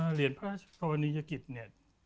เหรียญพระราชกรณียกิจ